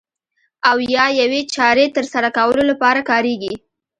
او یا یوې چارې ترسره کولو لپاره کاریږي.